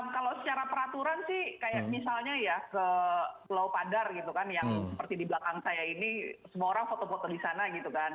kalau secara peraturan sih kayak misalnya ya ke pulau padar gitu kan yang seperti di belakang saya ini semua orang foto foto di sana gitu kan